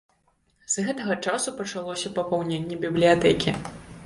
З гэтага часу пачалося папаўненне бібліятэкі.